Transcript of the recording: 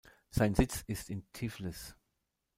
Sein Sitz ist in Tiflis.